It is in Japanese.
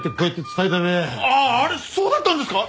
あっあれそうだったんですか！？